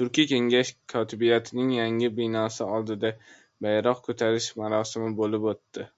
Turkiy kengash kotibiyatining yangi binosi oldida bayroq ko‘tarish marosimi bo‘lib o‘tdi